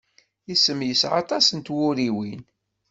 Isem yesεa aṭas n twuriwin.